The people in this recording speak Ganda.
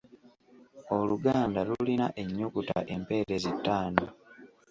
Oluganda lulina ennyukuta empeerezi ttaano.